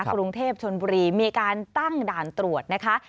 กรุงเทพชนบุรีมีการตั้งด่านตรวจนะคะ